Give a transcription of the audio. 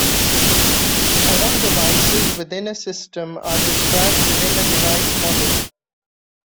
All devices within a system are described within a "device model".